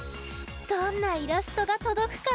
どんなイラストがとどくかな？